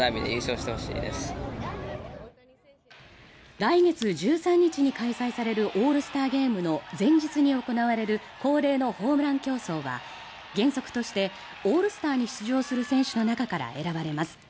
来月１３日に開催されるオールスターゲームの前日に行われる恒例のホームラン競争は原則としてオールスターに出場する選手の中から選ばれます。